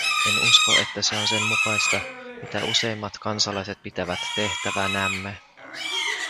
En usko, että se on sen mukaista, mitä useimmat kansalaiset pitävät tehtävänämme.